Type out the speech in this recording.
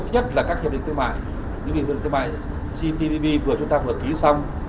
nhất là các hiệp định thương mại những hiệp định thương mại ctpp vừa chúng ta vừa ký xong